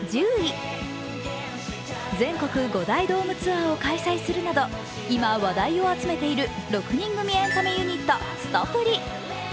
全国５大ドームツアーを開催するなど今、話題を集めている６人組エンタメユニット、すとぷり。